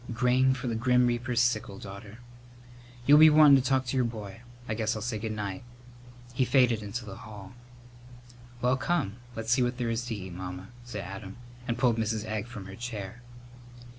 "Grain for the grim reaper's sickle, daughter. You'll be wantin' to talk to your boy. I guess I'll say good night." He faded into the hall. "Well, come, let's see what there is to eat, Mamma," said Adam, and pulled Mrs. Egg from her chair.